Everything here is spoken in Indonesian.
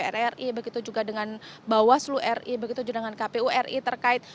dpr ri begitu juga dengan bawaslu ri begitu juga dengan kpu ri terkait